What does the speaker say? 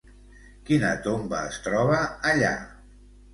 Quina tomba es troba allà?